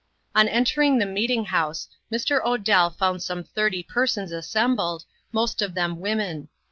On entering the meeting house, Mr. Odell found some thirty persons assembled, most of them women.